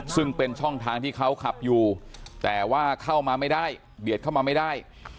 ซึ่งเป็นช่องทางที่เขาขับอยู่แต่ว่าเข้ามาไม่ได้เบียดเข้ามาไม่ได้